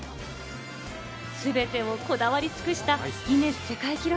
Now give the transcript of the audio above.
全てをこだわり尽くしたギネス世界記録